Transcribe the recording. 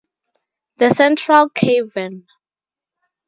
The Central Cavern!